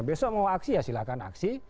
besok mau aksi ya silahkan aksi